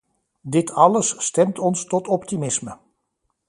Dit alles stemt ons tot optimisme.